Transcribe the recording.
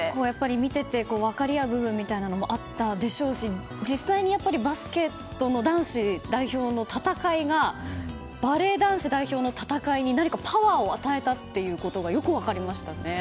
見ていて、分かり合う部分もあったでしょうし実際にバスケットの男子代表の戦いがバレー男子代表の戦いに何かパワーを与えたということがよく分かりましたね。